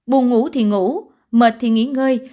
buồn ngủ thì ngủ mệt thì nghỉ ngơi